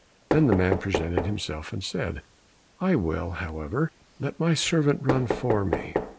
Then the man presented himself and said, "I will, however, let my servant run for me."